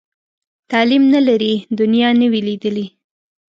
تعلیم نه لري، دنیا نه وي لیدلې.